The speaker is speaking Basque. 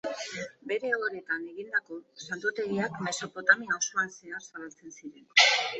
Bere ohoretan egindako santutegiak Mesopotamia osoan zehar zabaltzen ziren.